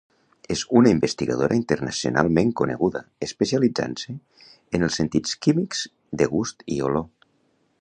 És una investigadora internacionalment coneguda especialitzant-se en els sentits químics de gust i olor.